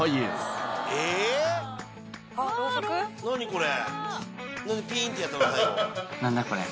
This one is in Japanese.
これ。